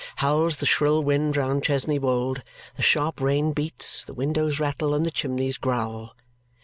Howls the shrill wind round Chesney Wold; the sharp rain beats, the windows rattle, and the chimneys growl.